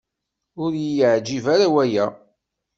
Ur yi-yeεǧib ara waya.